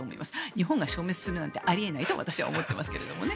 日本が消滅するなんてあり得ないと私は思っていますけどもね。